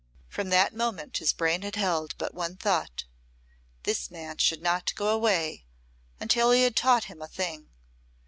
From that moment his brain had held but one thought this man should not go away until he had taught him a thing.